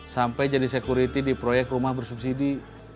sampai jadi security di proyek rumah bersubsidi